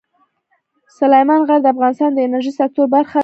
سلیمان غر د افغانستان د انرژۍ سکتور برخه ده.